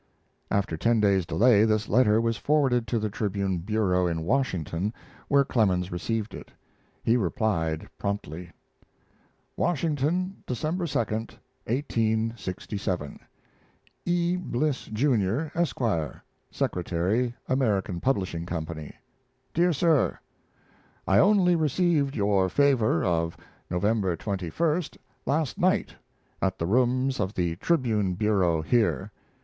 After ten days' delay this letter was forwarded to the Tribune bureau in Washington, where Clemens received it. He replied promptly. WASHINGTON, December 2, 1867. E. BLISS, JR., ESQ., Secretary American Publishing Co. DEAR SIR, I only received your favor of November 21st last night, at the rooms of the Tribune Bureau here.